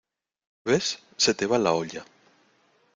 ¿ ves? se te va la olla.